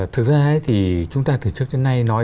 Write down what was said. thực ra thì chúng ta từ trước đến nay